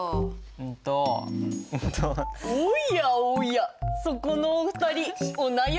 おやおやそこのお二人お悩みかな？